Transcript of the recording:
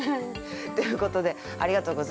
ということでありがとうございました。